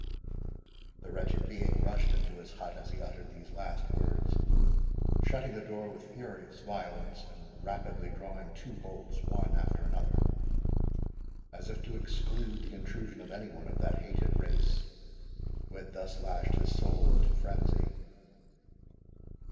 The wretched being rushed into his hut as he uttered these last words, shutting the door with furious violence, and rapidly drawing two bolts, one after another, as if to exclude the intrusion of any one of that hated race, who had thus lashed his soul to frenzy.